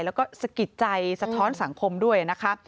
แล้วก็สะกิดใจสะท้อนสังคมด้วยนะคะ